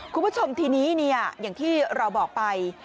คุณผู้ชมทีนี้อย่างที่เราบอกไป